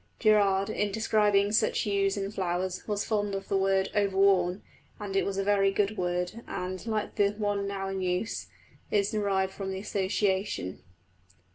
Gerarde, in describing such hues in flowers, was fond of the word "overworn"; and it was a very good word, and, like the one now in use, is derived from the association.